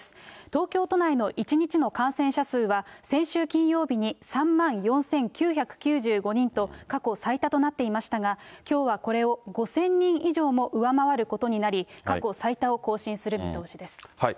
東京都内の１日の感染者数は、先週金曜日に３万４９９５人と過去最多となっていましたが、きょうはこれを５０００人以上も上回ることになり、過去最多を更新する見通しです。